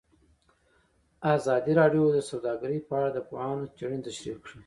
ازادي راډیو د سوداګري په اړه د پوهانو څېړنې تشریح کړې.